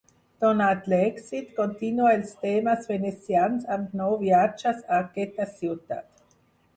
Donat l'èxit, continua els temes venecians amb nou viatges a aquesta ciutat.